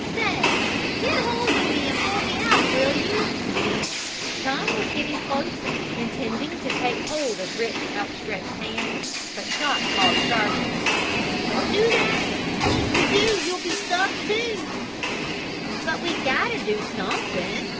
"Say, get hold of me and pull me out; will you?" Tom was going closer, intending to take hold of Rick's outstretched hands, but Chot called sharply: "Don't do that! If you do you'll be stuck, too!" "But we got to do something!"